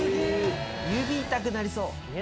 指痛くなりそう！